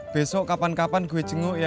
besok kapan kapan gue jenguk ya